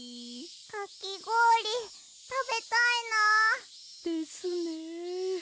かきごおりたべたいな。ですね。